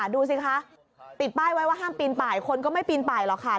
ดูสิคะติดไป้ไว้ว่าห้ามปินป่ายคนก็ไม่ปินป่ายหรอกค่ะ